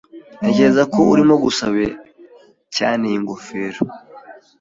Ntekereza ko urimo gusaba cyane iyi ngofero